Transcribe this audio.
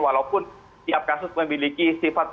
walaupun setiap kasus memiliki sifat